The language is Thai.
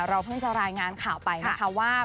เพิ่งจะรายงานข่าวไปนะคะว่า